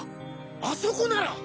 あそこなら！